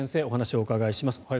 お話をお伺いします。